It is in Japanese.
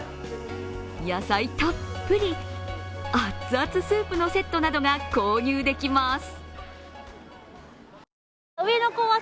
野菜たっぷり、熱々スープのセットなどが購入できます。